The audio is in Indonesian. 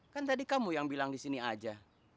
kan tadi kamu yang bilang disini aja